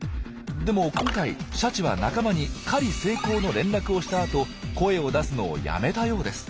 でも今回シャチは仲間に「狩り成功」の連絡をしたあと声を出すのをやめたようです。